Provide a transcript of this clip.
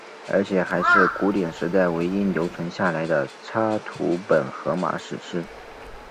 而且还是古典时代唯一留存下来的插图本荷马史诗。